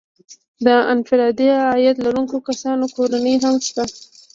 د انفرادي عاید لرونکو کسانو کورنۍ هم شته